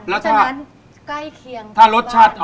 เพราะฉะนั้นใกล้เคียงกับบ้าน